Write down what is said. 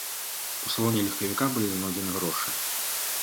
У салоне легкавіка былі знойдзены грошы.